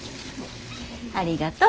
ありがとう。